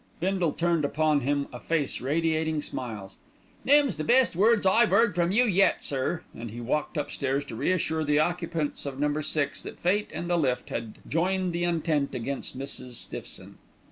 Bindle turned upon him a face radiating smiles. "Them's the best words I've 'eard from you yet, sir"; and he walked upstairs to reassure the occupants of Number Six that fate and the lift had joined the Entente against Mrs. Stiffson.